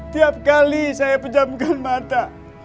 tiap kali saya pejamkan mata